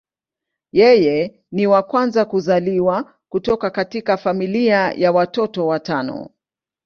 Yeye ni wa kwanza kuzaliwa kutoka katika familia ya watoto watano.